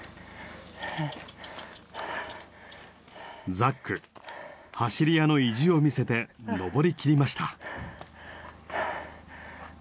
ザック走り屋の意地を見せて上りきりました。